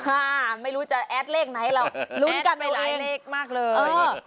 ไม่รู้จะแอดเลขไหนเราลุ้นกันไปหลายเลขมากเลยเออ